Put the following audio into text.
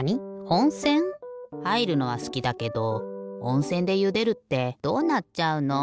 おんせん？はいるのはすきだけどおんせんでゆでるってどうなっちゃうの？